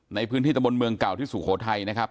ในพื้นที่ตะบนเมืองเก่าที่สุโขทัยนะครับ